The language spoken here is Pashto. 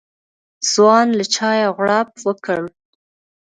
ځوان له چايه غوړپ وکړ.